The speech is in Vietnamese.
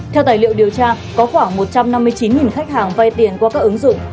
theo tài liệu điều tra có khoảng một trăm năm mươi chín khách hàng vay tiền qua các ứng dụng